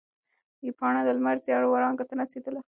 پاڼه د لمر زرینو وړانګو ته نڅېدله.